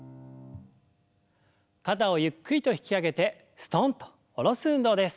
肩をゆっくりと引き上げてすとんと下ろす運動です。